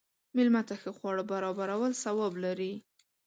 مېلمه ته ښه خواړه برابرول ثواب لري.